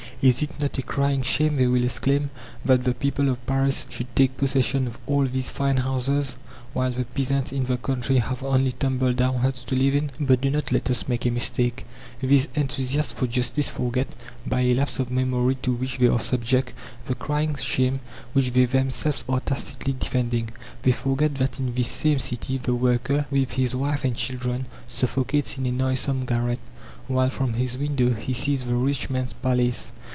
"Is it not a crying shame," they will exclaim, "that the people of Paris should take possession of all these fine houses, while the peasants in the country have only tumble down huts to live in?" But do not let us make a mistake. These enthusiasts for justice forget, by a lapse of memory to which they are subject, the "crying shame" which they themselves are tacitly defending. They forget that in this same city the worker, with his wife and children, suffocates in a noisome garret, while from his window he sees the rich man's palace.